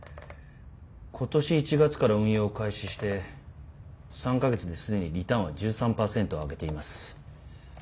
今年１月から運用を開始して３か月で既にリターンは１３％上げています。